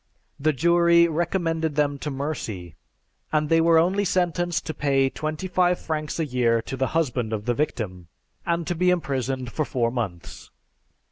The jury recommended them to mercy, and they were only sentenced to pay twenty five francs a year to the husband of the victim, and to be imprisoned for four months.